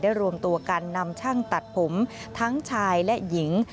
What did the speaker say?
รวมตัวกันนำช่างตัดผมทั้งชายและหญิง